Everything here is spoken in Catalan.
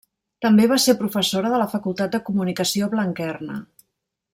També va ser professora de la Facultat de Comunicació Blanquerna.